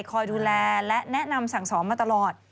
คอยดูแลและแนะนำสั่งสอนมาตลอด